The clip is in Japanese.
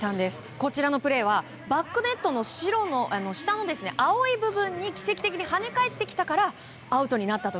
こちらのプレーはバックネットの下の青い部分に奇跡的に跳ね返ってきたからアウトになったと。